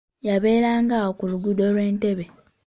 Yabeeranga awo ku luguudo lw'entebbe.